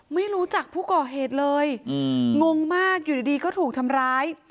ไม่รู้จักผู้ก่อเหตุเลยงงมากอยู่ดีก็ถูกทำร้าย